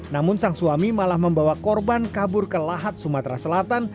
namun sang suami malah membawa korban kabur ke lahat sumatera selatan